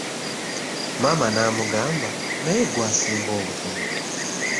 Maama n'amugamba, naye gwe asinga obutono!